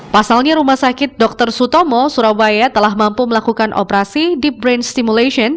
pasalnya rumah sakit dr sutomo surabaya telah mampu melakukan operasi deep brain stimulation